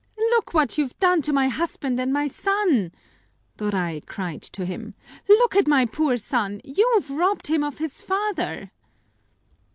"Look what you've done to my husband and my son!" Doray cried to him. "Look at my poor son! You've robbed him of his father!"